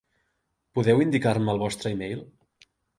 Podeu indicar-me el vostre e-mail?